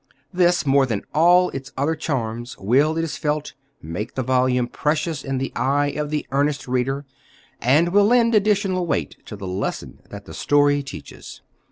This, more than all its other charms, will, it is felt, make the volume precious in the eye of the earnest reader; and will lend additional weight to the lesson that the story teaches.